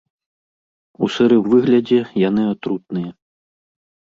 У сырым выглядзе яны атрутныя.